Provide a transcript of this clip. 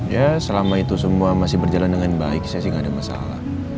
ya selama itu semua masih berjalan dengan baik saya sih nggak ada masalah